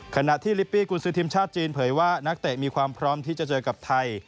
ขณะที่ลิปปี้กุญศือทีมชาติจีนเผยว่านักเตะมีความพร้อมที่จะเจอกับไทย